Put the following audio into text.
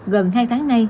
gần hai tháng nay